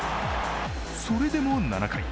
それでも７回。